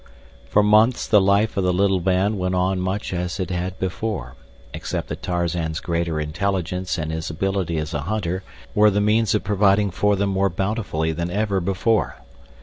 For months the life of the little band went on much as it had before, except that Tarzan's greater intelligence and his ability as a hunter were the means of providing for them more bountifully than ever before.